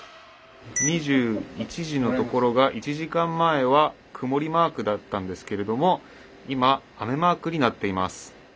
２１時のところが１時間前は曇りマークだったんですけれども今雨マークになっています。